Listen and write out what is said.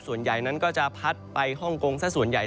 ส่วนใหญ่นั้นก็จะพัดไปฮ่องกงสักส่วนใหญ่